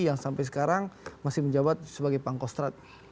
yang sampai sekarang masih menjabat sebagai pak kostrad